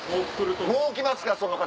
もう来ますかその方。